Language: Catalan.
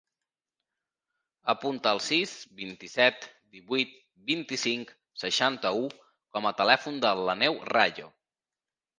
Apunta el sis, vint-i-set, divuit, vint-i-cinc, seixanta-u com a telèfon de l'Aneu Rayo.